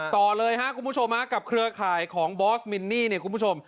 ต่อเลยครับคุณผู้ชมฮะกับเครือข่ายของบอสมินนี่เนี่ยคุณผู้ชม